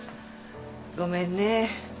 ごめんね。